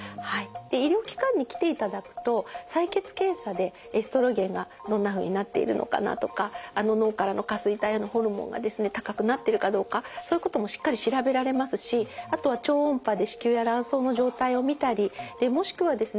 医療機関に来ていただくと採血検査でエストロゲンがどんなふうになっているのかなとかあの脳からの下垂体のホルモンがですね高くなってるかどうかそういうこともしっかり調べられますしあとは超音波で子宮や卵巣の状態を見たりもしくはですね